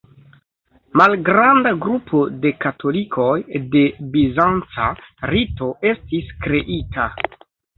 Malgranda grupo de katolikoj de bizanca rito estis kreita.